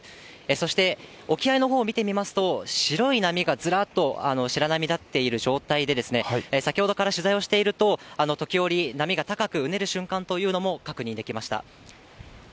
そして沖合のほうを見てみますと、白い波がずらっと白波だっている状態で、先ほどから取材をしていると、時折、波が高くうねる瞬間というのも確認できました。